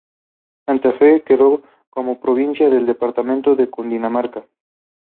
Santa Fe quedó como provincia del departamento de Cundinamarca.